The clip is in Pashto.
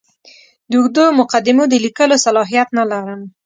د اوږدو مقدمو د لیکلو صلاحیت نه لرم.